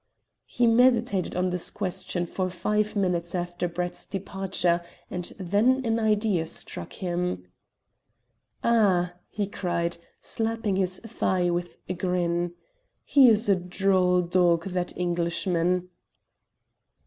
He meditated on this question for five minutes after Brett's departure, and then an idea struck him. "Ah," he cried, slapping his thigh with a grin, "he is a droll dog, that Englishman."